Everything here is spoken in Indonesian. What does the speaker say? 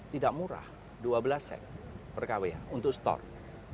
tidak murah dua belas set per kwh untuk store